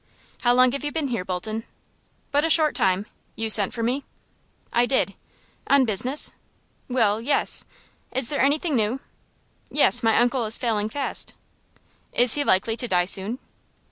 "How long have you been here, Bolton?" "But a short time. You sent for me?" "I did." "On business?" "Well, yes." "Is there anything new?" "Yes, my uncle is failing fast." "Is he likely to die soon?"